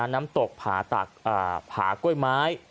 น้ำตกผากล้วยไม้